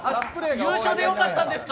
優勝で良かったんですか？